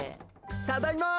ただいま！